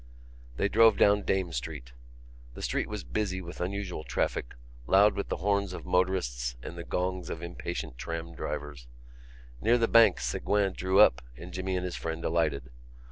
They drove down Dame Street. The street was busy with unusual traffic, loud with the horns of motorists and the gongs of impatient tram drivers. Near the Bank Ségouin drew up and Jimmy and his friend alighted.